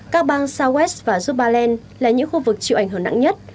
các bang southwest và jubaland là những khu vực chịu ảnh hưởng nặng nhất